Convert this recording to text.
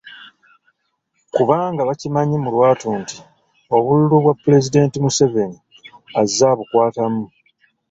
Kubanga bakimanyi mu lwatu nti obululu Pulezidenti Museveni azze abukwatamu.